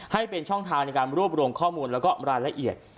ให้เป็นช่องทางในการรวบรวมข้อมูลแล้วก็รายละเอียด